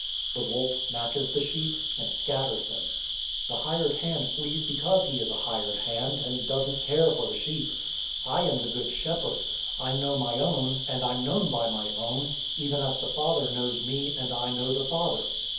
The wolf snatches the sheep, and scatters them. 010:013 The hired hand flees because he is a hired hand, and doesn't care for the sheep. 010:014 I am the good shepherd. I know my own, and I'm known by my own; 010:015 even as the Father knows me, and I know the Father.